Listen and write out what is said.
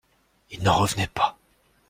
Il n'en revenait pas.